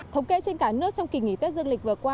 thống kê trên cả nước trong kỳ nghỉ tết dương lịch vừa qua